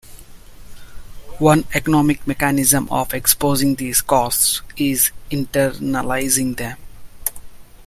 One economic mechanism of exposing these costs is internalizing them.